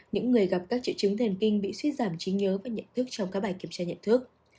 những người gặp các triệu chứng thần kinh bị suy giảm trí nhớ và nhận thức trong các bài kiểm tra nhận thức